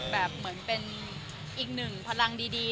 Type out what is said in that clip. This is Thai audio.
แบบเหมือนเป็นอีกหนึ่งพลังดี